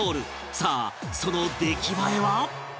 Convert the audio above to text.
さあその出来栄えは？